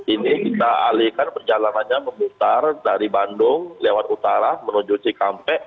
ini kita alihkan perjalanannya memutar dari bandung lewat utara menuju cikampek